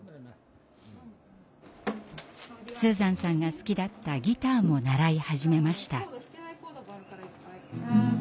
スーザンさんが好きだったギターも習い始めました。